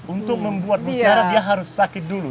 untuk membuat udara dia harus sakit dulu